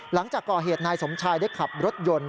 หลังจากก่อเหตุนายสมชายได้ขับรถยนต์